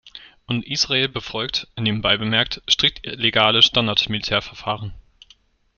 Und Israel befolgt, nebenbei bemerkt, strikt legale Standard-Militärverfahren.